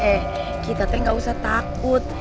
eh kita tuh gak usah takut